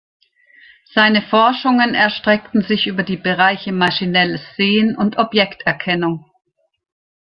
Seine Forschungen erstrecken sich über die Bereiche Maschinelles Sehen und Objekterkennung.